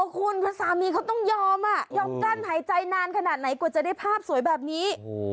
คุณเพราะสามีเขาต้องยอมยอมกั้นหายใจนานขนาดไหนกว่าจะได้ภาพสวยแบบนี้